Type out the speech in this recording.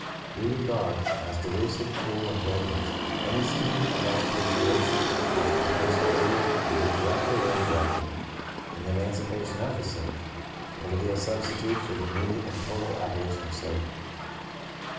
(¶ 29) We regard, as delusive, cruel, and dangerous, any scheme of expatriation which pretends to aid, either directly or indirectly, in the emancipation of the slaves, or to be a substitute for the immediate and total abolition of slavery.